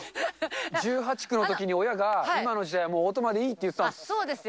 １８、９のときに親が今の時代はオートマでいいって言ってたんですよ。